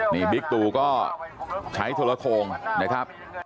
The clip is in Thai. นี่บิ๊กตูก็ใช้โทรโครงนะครับ